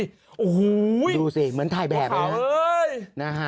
โอ้โหดูสิเหมือนถ่ายแบบเลยนะ